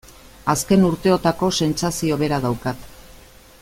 Azken urteotako sentsazio bera daukat.